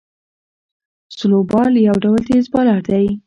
سلو بال یو ډول تېز بالر دئ.